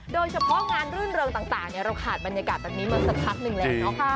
โดยเฉพาะงานรื่นเริงต่างเราขาดบรรยากาศแบบนี้มาสักพักหนึ่งแล้วเนาะ